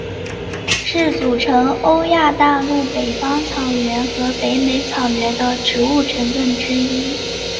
是组成欧亚大陆北方草原和北美草原的植物成分之一。